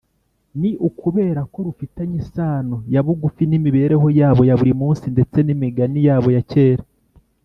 ni ukubera ko rufitanye isano ya bugufi n’imibereho yabo ya buri munsi ndetse n’imigani yabo ya kera.